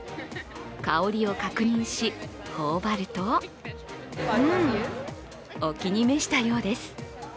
香りを確認し、ほおばるとお気に召したようです。